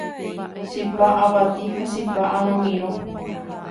Chipa avati ha chipa aramirõ